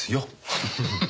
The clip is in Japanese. フフフフフ。